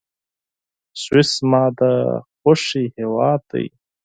سویس زما د خوښي هېواد دی.